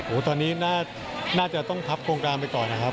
โอ้โหตอนนี้น่าจะต้องพับโครงการไปก่อนนะครับ